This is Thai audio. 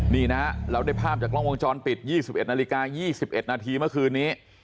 นี่นะเราได้ภาพจากกล้องวงจรปิด๒๑นาฬิกา๒๑นาทีเมื่อคืนนี้